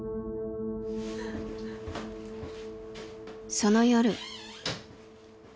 その夜。